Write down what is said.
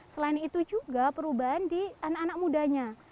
selain itu juga perubahan di anak anak mudanya